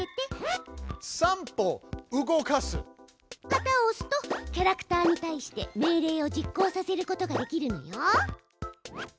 旗をおすとキャラクターに対して命令を実行させることができるのよ。